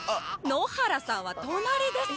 野原さんは隣です！